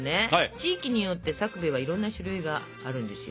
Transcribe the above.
地域によってさくべいはいろんな種類があるんですよ。